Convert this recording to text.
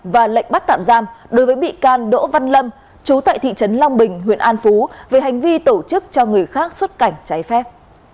và lệnh bắt tạm giam đối với bị can đỗ văn lâm chú tại thị trấn long bình huyện an phú về hành vi tổ chức cho người khác xuất cảnh trái phép